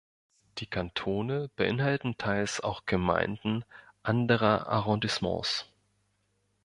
Die Kantone beinhalten Teils auch Gemeinden anderer Arrondissements.